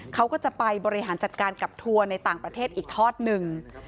เขาก็จะไปบริหารจัดการกับทัวร์ในต่างประเทศอีกทอดหนึ่ง